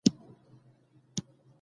ليکنښو کې هم ځينې تېروتنې